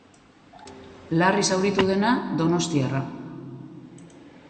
Larri zauritu dena, donostiarra.